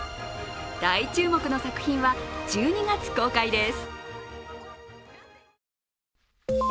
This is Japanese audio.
大注目の作品は、１２月公開です。